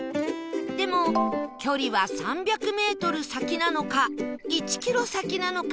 でも距離は３００メートル先なのか１キロ先なのか